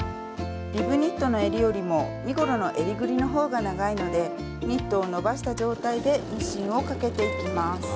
リブニットのえりよりも身ごろのえりぐりの方が長いのでニットを伸ばした状態でミシンをかけていきます。